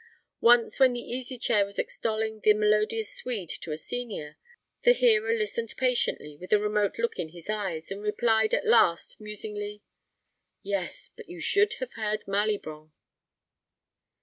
Once when the Easy Chair was extolling the melodious Swede to a senior, the hearer listened patiently, with a remote look in his eyes, and replied at last, musingly, "Yes, but you should have heard Malibran."